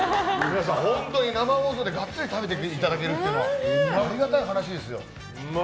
本当に生放送でガッツリ食べていただけるというのはありがたい話ですよ。